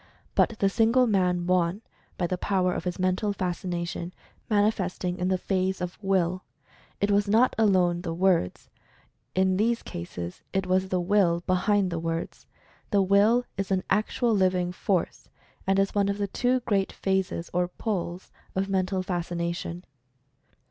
But the single man won — by the power of his Mental Fas cination, manifesting in the phase of WILL. It was not alone the words, in these cases — it was the WILL behind the words. The WILL is an actual living 32 Mental Fascination force, and is one of the two great phases, or poles, of Mental Fascination.